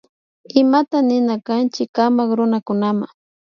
Imata nina kanchi kamak runakunama